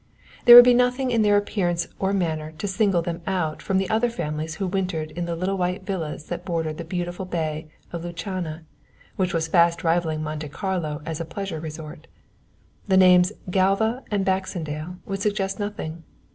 There would be nothing in their appearance or manner to single them out from the other families who wintered in the little white villas that bordered the beautiful bay of Lucana, which was fast rivalling Monte Carlo as a pleasure resort. The names Galva and Baxendale would suggest nothing.